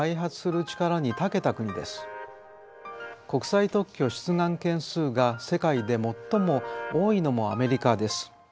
国際特許出願件数が世界で最も多いのもアメリカです。